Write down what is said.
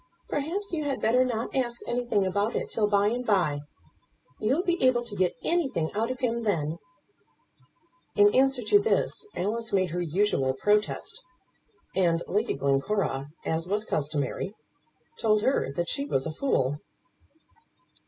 Perhaps you had better not ask anything about it till by and by. You'll be able to get anything out of him then." In answer to this Alice made her usual protest, and Lady Glencora, as was customary, told her that she was a fool.